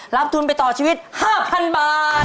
ทุนไปต่อชีวิต๕๐๐๐บาท